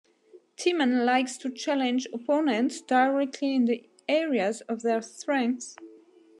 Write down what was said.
Timman likes to challenge opponents directly in the areas of their strengths.